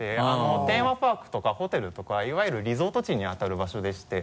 テーマパークとかホテルとかいわゆるリゾート地にあたる場所でして。